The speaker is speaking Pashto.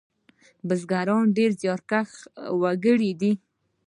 بزگران ډېر زیارکښ وگړي دي.